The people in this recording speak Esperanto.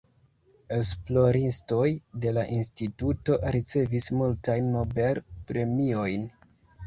Esploristoj de la Instituto ricevis multajn Nobel-premiojn.